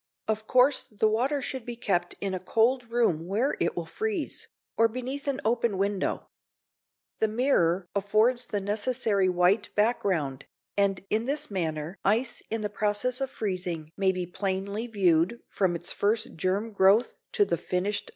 Of course the water should be kept in a cold room where it will freeze, or beneath an open window. The mirror affords the necessary white background, and in this manner ice in process of freezing may be plainly viewed from its first germ growth to the finished ice crystal.